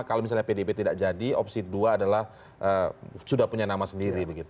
kalau misalnya pdip tidak jadi opsi dua adalah sudah punya nama sendiri